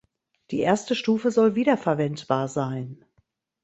Die erste Stufe soll wiederverwendbar sein.